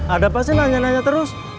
ada pasien nanya nanya terus